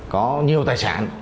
có nhiều tài sản